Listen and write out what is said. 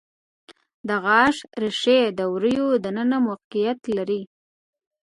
د غاښ ریښې د وریو د ننه موقعیت لري.